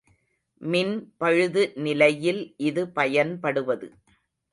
மின் பழுது நிலையில் இது பயன்படுவது.